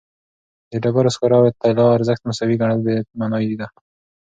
د ډبرې سکاره او طلا ارزښت مساوي ګڼل بېمعنایي ده.